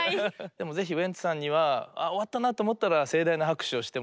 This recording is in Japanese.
でもぜひウエンツさんには「あ終わったな」と思ったら盛大な拍手をしてもらいたい。